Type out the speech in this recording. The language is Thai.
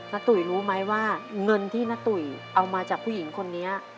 ตุ๋ยรู้ไหมว่าเงินที่น้าตุ๋ยเอามาจากผู้หญิงคนนี้